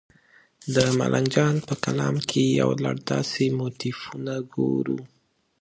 د ملنګ جان په کلام کې یو لړ داسې موتیفونه ګورو.